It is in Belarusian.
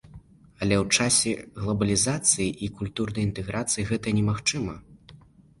Але ў часе глабалізацыі і культурнай інтэграцыі гэта немагчыма.